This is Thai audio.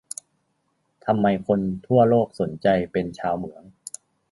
ทำไมคนทั่วโลกสนใจเป็นชาวเหมือง